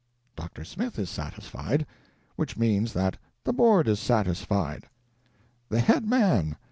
Dr. Smith is satisfied. Which, means that the Board is satisfied. The "head man"